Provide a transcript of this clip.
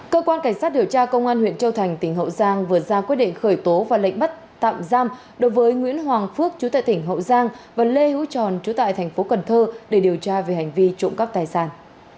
cơ quan cảnh sát điều tra công an huyện châu thành tỉnh hậu giang vừa ra quyết định khởi tố và lệnh bắt tạm giam đối với nguyễn hoàng phước chú tại tỉnh hậu giang và lê hữu tròn chú tại thành phố cần thơ để điều tra về hành vi trộm cắp tài sản